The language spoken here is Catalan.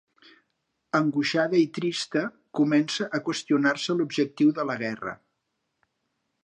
Angoixada i trista, comença a qüestionar-se l'objectiu de la guerra.